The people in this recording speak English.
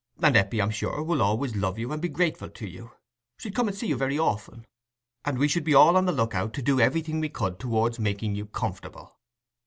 And Eppie, I'm sure, will always love you and be grateful to you: she'd come and see you very often, and we should all be on the look out to do everything we could towards making you comfortable."